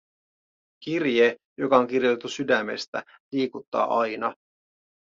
Kirje, joka on kirjoitettu sydämestä, liikuttaa aina.